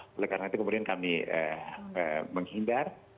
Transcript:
oleh karena itu kemudian kami menghindar